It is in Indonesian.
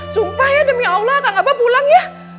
sumpah ya demi allah kang abah pulang ya